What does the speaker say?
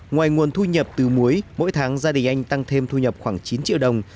ngoài nguồn thu nhập từ muối mỗi tháng gia đình anh tăng thêm thu nhập khoảng chín triệu đồng